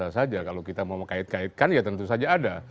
dan biasa saja kalau kita mau mengait kaitkan ya tentu saja ada